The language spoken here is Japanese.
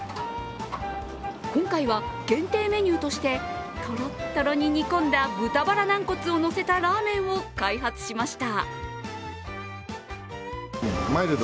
今回は限定メニューとしてとろっとろに煮込んだ豚バラ軟骨をのせたラーメンを開発しました。